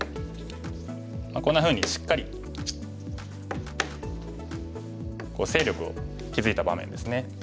こんなふうにしっかり勢力を築いた場面ですね。